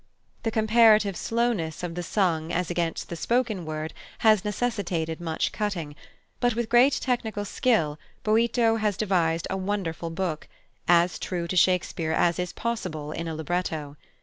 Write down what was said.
The comparative slowness of the sung as against the spoken word has necessitated much cutting, but with great technical skill Boito has devised a wonderful book, as true to Shakespeare as is possible in a libretto.